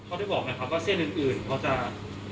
เขาได้บอกไหมครับว่าเส้นอื่นเขาจะ